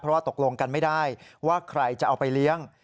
เพราะว่าตกลงกันไม่ได้ว่าใครจะเอาไปเลี้ยง